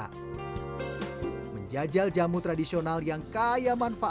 kemudian ada kabin pahak pahak krema suasana biasiswa ndang yang kita amankan